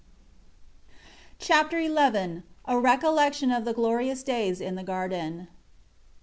Chapter XI A recollection of the glorious days in the Garden.